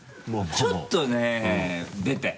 ちょっとね出たよ。